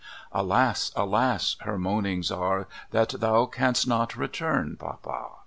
"Alas! "" alas! " her moanings are That thou canst not return, papa!